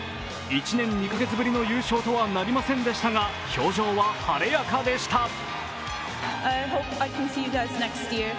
１年２カ月ぶりの優勝とはなりませんでしたが表情は晴れやかでした。